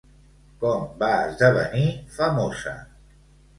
Com va esdevenir famosa?